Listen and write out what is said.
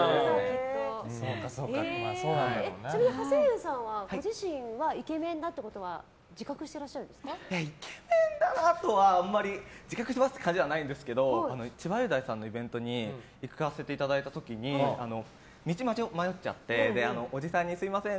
ちなみに、はせゆうさんはご自身はイケメンということはイケメンっていうのはあんまり自覚してますっていう感じではないんですけど千葉雄大さんのイベントに行かせていただいた時に道迷っちゃっておじさんにすみません